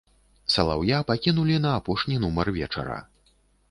Салаўя пакінулі на апошні нумар вечара.